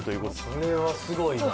それはすごいな。